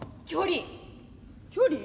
距離。